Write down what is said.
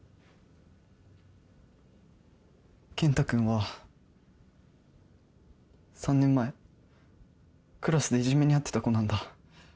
健太君は３年前クラスでいじめに遭ってた子なんだ。